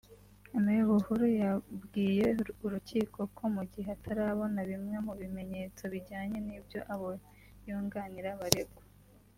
Me Buhuru yabwiye urukiko ko mu gihe atarabona bimwe mu bimenyetso bijyanye n’ibyo abo yunganira baregwa